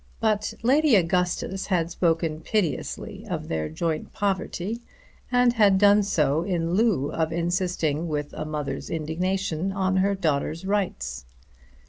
But Lady Augustus had spoken piteously of their joint poverty, and had done so in lieu of insisting with a mother's indignation on her daughter's rights.